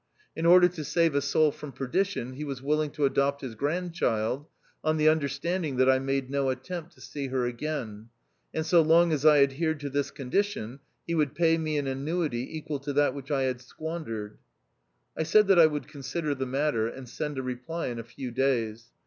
In order to save a soul from perdition lie was willing to adopt his grandchild, on the understanding that I made no attempt to see her again ; and so long as I adhered to this condition he would pay me an annuity equal to that which I had squandered. I said that I would consider the matter, and send a reply in a few days.